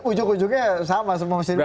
ujung ujungnya sama semua mesti dibuka